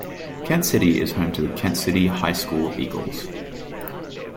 Kent City is home to the Kent City High School Eagles.